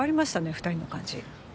二人の感じ